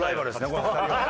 この２人。